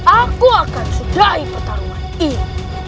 aku akan suplai pertarungan ini